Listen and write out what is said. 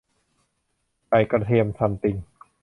ไก่กระเทียมซัมติง